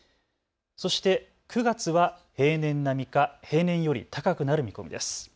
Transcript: そして９月は平年並みか平年より高くなる見込みです。